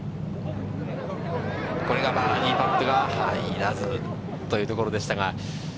これがバーディーパットが入らずというところでしたが。